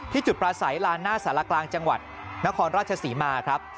จุดปลาใสลานหน้าสารกลางจังหวัดนครราชศรีมาครับ